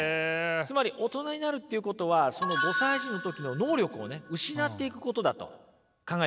つまり大人になるっていうことは５歳児の時の能力をね失っていくことだと考えていたわけです。